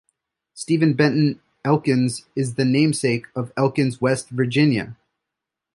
Stephen Benton Elkins is the namesake of Elkins, West Virginia.